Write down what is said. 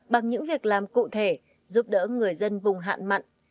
bằng những việc làm cụ thể giúp đỡ người dân vùng hạn mặn